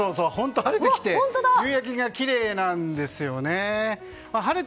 本当に晴れてきて夕焼けがきれいなんですよね。